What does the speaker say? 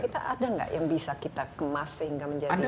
kita ada nggak yang bisa kita kemas sehingga menjadi